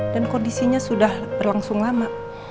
dan kondisinya sudah berlangsung lama